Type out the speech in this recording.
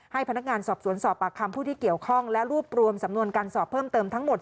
พนักงานสอบสวนสอบปากคำผู้ที่เกี่ยวข้องและรวบรวมสำนวนการสอบเพิ่มเติมทั้งหมด